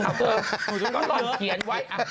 นี่ก็ที่เขียนไว้